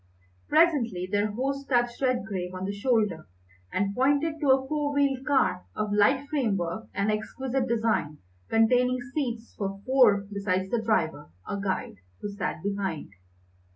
Presently their host touched Redgrave on the shoulder and pointed to a four wheeled car of light framework and exquisite design, containing seats for four besides the driver, or guide, who sat behind.